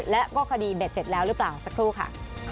และก็คดีเบ็ดเสร็จแล้วหรือเปล่าสักครู่ค่ะ